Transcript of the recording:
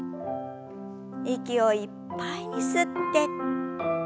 息をいっぱいに吸って。